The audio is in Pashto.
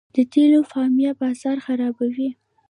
د تیلو مافیا بازار خرابوي.